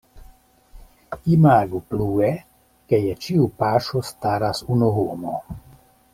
Imagu plue, ke je ĉiu paŝo staras unu homo.